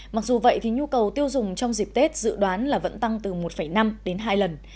mặc dù vậy thì nhu cầu tiêu dùng trong dịp tết dự đoán là vẫn tăng từ một năm đến hai lần